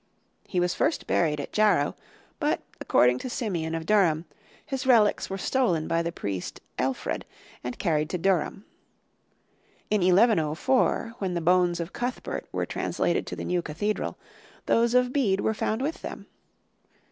He was first buried at Jarrow but, according to Simeon of Durham, his relics were stolen by the priest, Elfred, and carried to Durham. In 1104, when the bones of Cuthbert were translated to the new Cathedral, those of Bede were found with them.